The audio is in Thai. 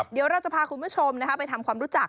เดี๋ยวเราจะพาคุณผู้ชมไปทำความรู้จัก